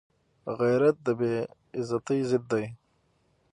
غیرت د بې عزتۍ ضد دی